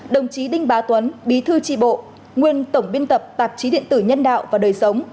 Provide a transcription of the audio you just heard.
đồng chí đinh bá tuấn bí thư tri bộ nguyên tổng biên tập tạp chí điện tử nhân đạo và đời sống